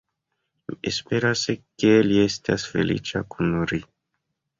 Mi esperas ke li estas feliĉa kun ri.